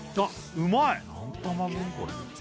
うまい！